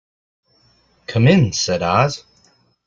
"Come in," said Oz.